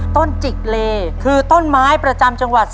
จิกเลคือต้นไม้ประจำจังหวัด